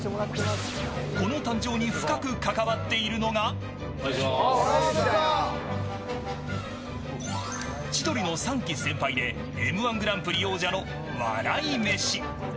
この誕生に深く関わっているのが千鳥の３期先輩でＭ−１グランプリ王者の笑い飯。